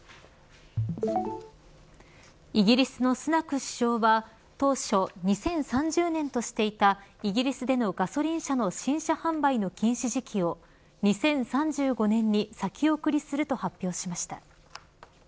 イギリスのスナク首相は当初２０３０年としていたイギリスでのガソリン車の新車販売の禁止時期を２０３５年に先送りすると発表しました。